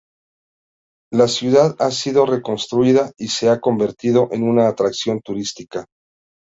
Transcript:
La ciudad ha sido reconstruida y se ha convertido en una atracción turística.